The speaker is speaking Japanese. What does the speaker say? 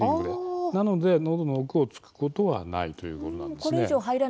なので、のどの奥を突くことはないということなんです。